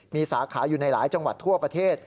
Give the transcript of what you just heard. มีสาขาอยู่ในหลายจังหวัดทั่วประเทศ